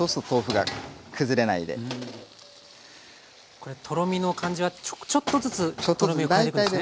これとろみの感じはちょっとずつとろみを加えていくんですね。